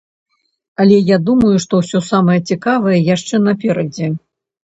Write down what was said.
Але я думаю, што ўсё самае цікавае яшчэ наперадзе.